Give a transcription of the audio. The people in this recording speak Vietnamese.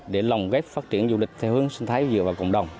để lòng ghép phát triển du lịch theo hướng sinh thái dựa vào cộng đồng